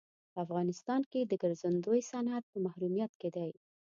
په افغانستان کې د ګرځندوی صنعت په محرومیت کې دی.